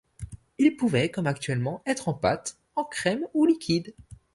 Ils pouvaient, comme actuellement, être en pâte, en crème ou liquides.